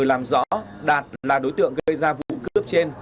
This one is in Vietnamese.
làm rõ đạt là đối tượng gây ra vụ cướp trên